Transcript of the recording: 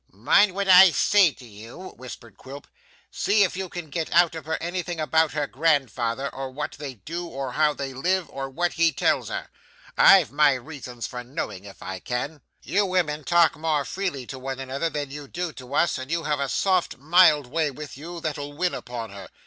'Mind what I say to you,' whispered Quilp. 'See if you can get out of her anything about her grandfather, or what they do, or how they live, or what he tells her. I've my reasons for knowing, if I can. You women talk more freely to one another than you do to us, and you have a soft, mild way with you that'll win upon her.